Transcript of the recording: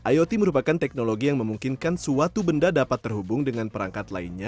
iot merupakan teknologi yang memungkinkan suatu benda dapat terhubung dengan perangkat lainnya